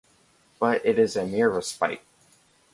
But it is a mere respite.